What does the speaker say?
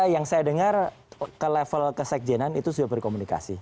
yang saya dengar ke level kesekjenan itu sudah berkomunikasi